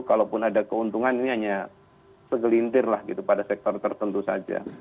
kalaupun ada keuntungan ini hanya segelintir lah gitu pada sektor tertentu saja